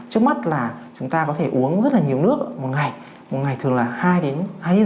trước mắt là chúng ta có thể uống rất là nhiều nước một ngày một ngày thường là hai đến hai lít